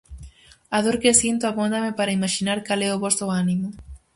A dor que sinto abóndame para imaxinar cal é o voso ánimo.